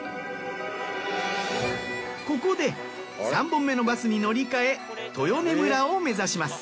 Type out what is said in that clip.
ここで３本目のバスに乗り換え豊根村を目指します。